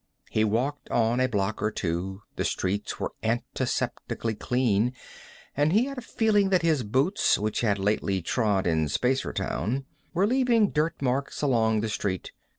He walked on a block or two. The streets were antiseptically clean, and he had the feeling that his boots, which had lately trod in Spacertown, were leaving dirtmarks along the street.